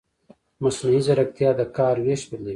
مصنوعي ځیرکتیا د کار وېش بدلوي.